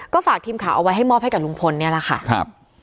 ก็ฝากทีมข่าวเอาไว้ให้มอบให้กับลุงพลเนี่ยแหละค่ะครับ